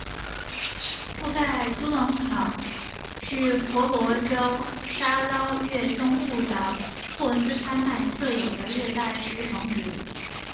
附盖猪笼草是婆罗洲沙捞越中部的霍斯山脉特有的热带食虫植物。